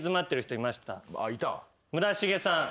村重さん。